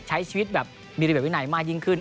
ใช้ชีวิตแบบมีระเบียบวินัยมากยิ่งขึ้น